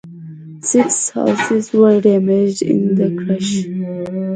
Six houses were damaged in the crash.